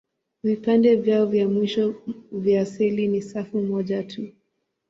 Vipande vyao vya mwisho vya seli ni safu moja tu.